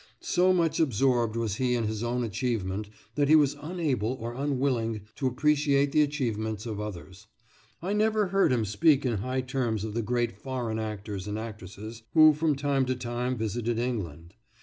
So much absorbed was he in his own achievement that he was unable or unwilling to appreciate the achievements of others. I never heard him speak in high terms of the great foreign actors and actresses who from time to time visited England.